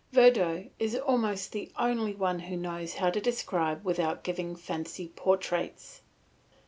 Vertot is almost the only one who knows how to describe without giving fancy portraits.